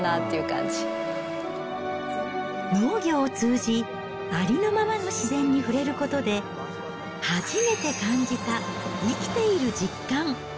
農業を通じ、ありのままの自然に触れることで、初めて感じた生きている実感。